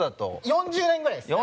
４０年ぐらいですね。